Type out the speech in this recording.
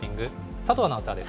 佐藤アナウンサーです。